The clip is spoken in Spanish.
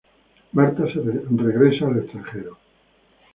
Marta se regresa al extranjero.